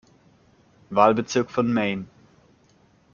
Wahlbezirk von Maine.